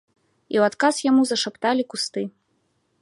І ў адказ яму зашапталі кусты.